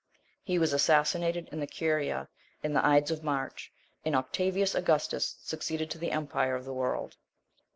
He was assassinated in the Curia, in the ides of March, and Octavius Augustus succeeded to the empire of the world.